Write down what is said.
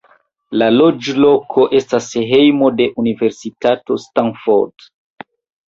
La loĝloko estas hejmo de la Universitato Stanford.